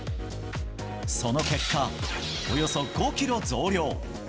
その結果、およそ５キロ増量。